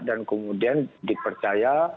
dan kemudian dipercaya